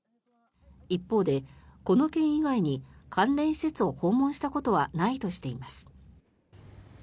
一方で、この件以外に関連団体を訪問したことはないとしています。